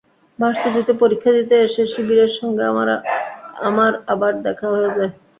ভার্সিটিতে ভর্তি পরীক্ষা দিতে এসে শিশিরের সঙ্গে আমার আবার দেখা হয়ে যায়।